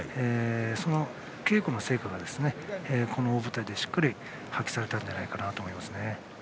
その稽古の成果がこの大舞台でしっかり発揮されたかなと思います。